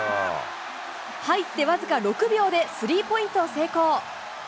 入って僅か６秒でスリーポイントを成功。